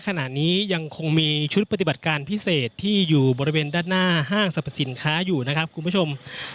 ขณะนี้ยังคงมีชุดปฏิบัติการพิเศษที่อยู่บริเวณด้านหน้าห้างสรรพสินค้าอยู่นะครับคุณผู้ชม